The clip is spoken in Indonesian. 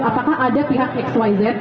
apakah ada pihak xyz